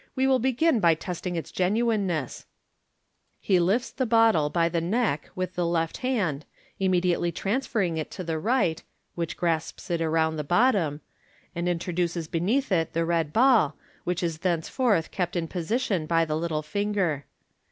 We will begin by testing its genuineness." He lifts Fig. 258. MODERN MAGIC 431 the bottle by the neck with the left hand, immediately transferring it to the right (which grasps it round the bottom), and introduces be neath it the red ball, which is thenceforth kept in position by the little finger.